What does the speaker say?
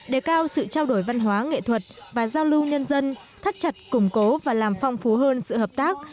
đề cao sự trao đổi văn hóa nghệ thuật và giao lưu nhân dân thắt chặt củng cố và làm phong phú hơn sự hợp tác